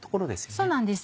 そうなんです。